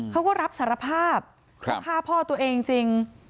เขาก็รับสารภาพว่าฆ่าพ่อตัวเองจริง